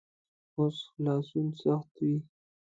اوس خلاصون سخت وي.